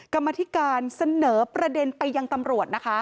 กรรมธิการเสนอประเด็นไปยังตำรวจนะคะ